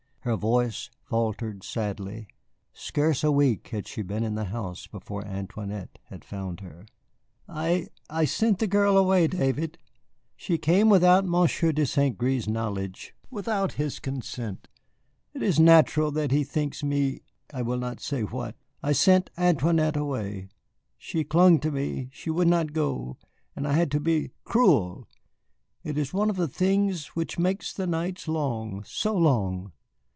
Her voice faltered sadly. Scarce a week had she been in the house before Antoinette had found her. "I I sent the girl away, David. She came without Monsieur de St. Gré's knowledge, without his consent. It is natural that he thinks me I will not say what. I sent Antoinette away. She clung to me, she would not go, and I had to be cruel. It is one of the things which make the nights long so long.